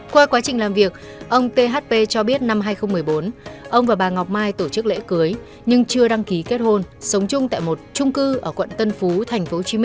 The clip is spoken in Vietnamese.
qua quá trình làm việc ông thp cho biết năm hai nghìn một mươi bốn ông và bà ngọc mai tổ chức lễ cưới nhưng chưa đăng ký kết hôn sống chung tại một trung cư ở quận tân phú tp hcm